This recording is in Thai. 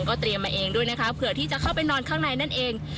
เตรียมมาเองด้วยนะคะเผื่อที่จะเข้าไปนอนข้างในนั่นเอง